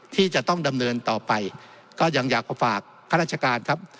ที่จะต้องดำเนินต่อไปก็ยังอยากมาฝากข้าราชการครับ